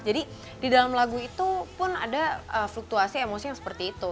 jadi di dalam lagu itu pun ada fluktuasi emosi yang seperti itu